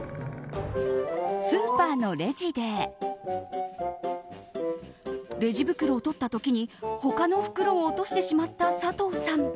スーパーのレジでレジ袋を取った時に他の袋を落としてしまった佐藤さん。